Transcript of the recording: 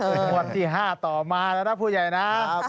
งวดที่๕ต่อมาแล้วนะผู้ใหญ่นะ